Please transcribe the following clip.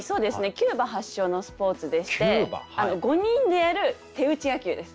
キューバ発祥のスポーツでして５人でやる手打ち野球です。